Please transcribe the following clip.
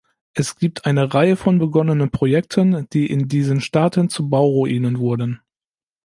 Es gibt eine Reihe von begonnenen Projekten, die in diesen Staaten zu Bauruinen wurden.